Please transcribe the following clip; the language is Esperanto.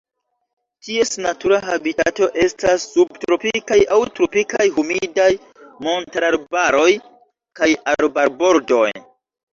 Ties natura habitato estas subtropikaj aŭ tropikaj humidaj montararbaroj kaj arbarbordoj.